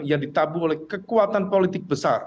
yang ditabuh oleh kekuatan politik besar